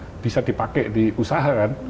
itu bisa dipakai di usaha kan